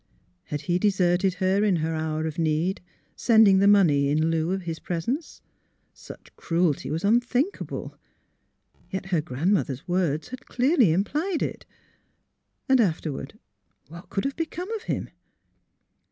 Had he deserted her in her hour of need, sending the money in lieu of his presence? Such cruelty was unthinkable. Yet her grand mother's words had clearly implied it. And after ward — what could have become of him